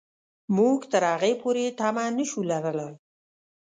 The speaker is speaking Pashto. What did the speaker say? موږ تر هغې پورې تمه نه شو لرلای.